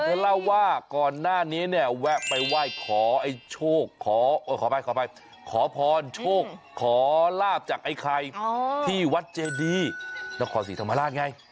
เธอเล่าว่าก่อนหน้านี้เนี่ยแวะไปไหว้ขอไอ้โชคขอขออภัยขอพรโชคขอลาบจากไอ้ไข่ที่วัดเจดีนครศรีธรรมราชไง